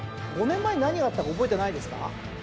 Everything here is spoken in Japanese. ５年前に何があったか覚えてないですか？